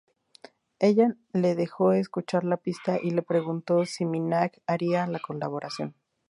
Ella le dejó escuchar la pista y le preguntó si Minaj haría la colaboración.